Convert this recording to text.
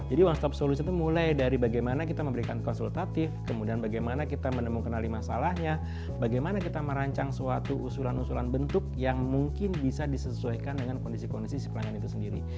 jadi one stop solution itu mulai dari bagaimana kita memberikan konsultatif kemudian bagaimana kita menemukan masalahnya bagaimana kita merancang suatu usulan usulan bentuk yang mungkin bisa disesuaikan dengan kondisi kondisi si pelanggan itu sendiri